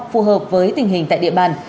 phù hợp với tình hình tại địa bàn